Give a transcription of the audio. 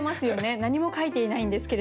何も書いていないんですけれども。